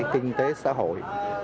kinh tế xã hội